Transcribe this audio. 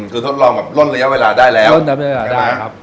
คือทดลองแบบล่นระยะเวลาได้แล้วล่นระยะเวลาได้ครับ